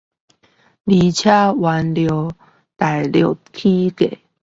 而且原料大陸漲價